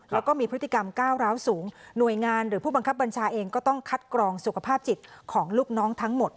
แล้วก็มีพฤติกรรมก้าวร้าวสูงหน่วยงานหรือผู้บังคับบัญชาเองก็ต้องคัดกรองสุขภาพจิตของลูกน้องทั้งหมด